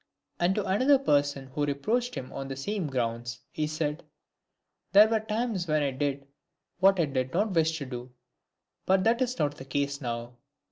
And to another person who reproached him on the same grounds, he said, " There were times when 1 did what I did not wish to, but that is not the case now."